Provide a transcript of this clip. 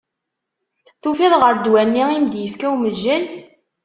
Tufiḍ ɣer ddwa-nni i m-d-ifka umejjay?